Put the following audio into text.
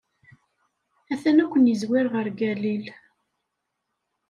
A-t-an ad ken-izwir ɣer Galil.